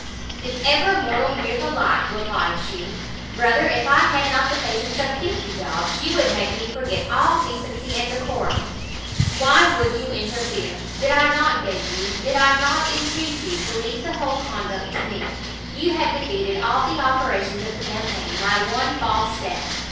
"Did ever mortal hear the like?" replied she. "Brother, if I had not the patience of fifty Jobs, you would make me forget all decency and decorum. Why would you interfere? Did I not beg you, did I not intreat you, to leave the whole conduct to me? You have defeated all the operations of the campaign by one false step.